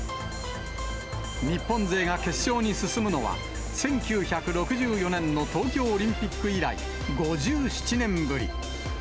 日本勢が決勝に進むのは、１９６４年の東京オリンピック以来、５７年ぶり。